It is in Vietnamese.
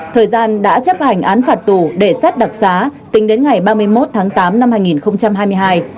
thời gian đã chấp hành án phạt tù để xét đặc xá tính đến ngày ba mươi một tháng tám năm hai nghìn hai mươi hai